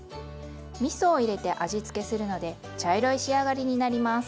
みそを入れて味付けするので茶色い仕上がりになります。